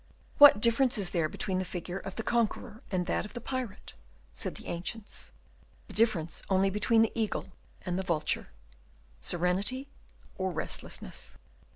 "What difference is there between the figure of the conqueror and that of the pirate?" said the ancients. The difference only between the eagle and the vulture, serenity or restlessness.